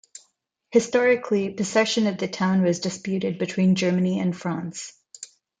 Historically, possession of the town was disputed between Germany and France.